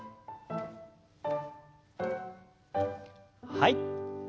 はい。